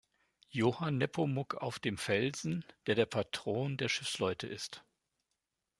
Johann-Nepomuk auf dem Felsen, der der Patron der Schiffsleute ist.